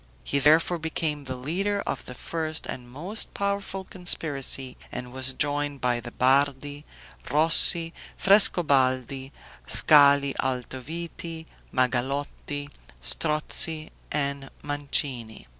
He therefore became the leader of the first and most powerful conspiracy, and was joined by the Bardi, Rossi, Frescobaldi, Scali Altoviti, Magalotti, Strozzi, and Mancini.